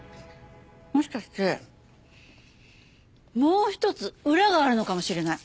もしかしてもう一つ裏があるのかもしれない。